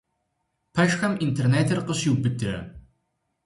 Пэшхэм интернетыр къыщиубыдрэ?